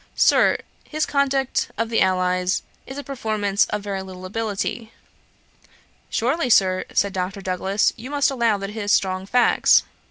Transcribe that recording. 'Sir, his Conduct of the Allies is a performance of very little ability.' 'Surely, Sir, (said Dr. Douglas,) you must allow it has strong facts.'